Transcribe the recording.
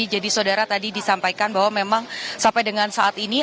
jadi saudara tadi disampaikan bahwa memang sampai dengan saat ini